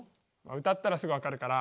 歌ったらすぐわかるから。